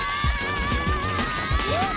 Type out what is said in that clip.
えっ！？